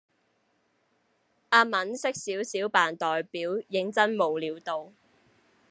阿文識少少扮代表認真冇料到